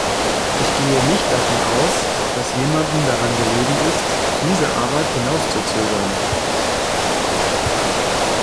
Ich gehe nicht davon aus, dass jemanden daran gelegen ist, diese Arbeit hinauszuzögern.